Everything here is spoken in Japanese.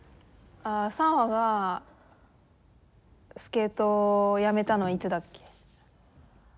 サンファがスケートをやめたのはいつだっけ？